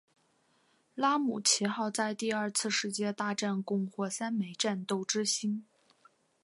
拉姆齐号在第二次世界大战共获三枚战斗之星。